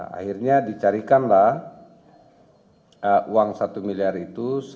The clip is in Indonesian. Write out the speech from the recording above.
akhirnya dicarikanlah uang satu miliar itu